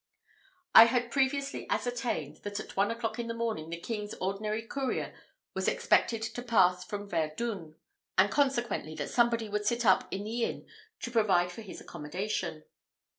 I had previously ascertained, that at one o'clock in the morning the king's ordinary courier was expected to pass from Verdun; and, consequently, that somebody would sit up in the inn to provide for his accommodation.